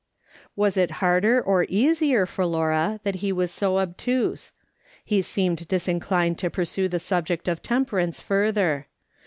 Was it harder or easier for Laura that he was so obtuse ? He seemed disinclined to pursue the subject of temperance further.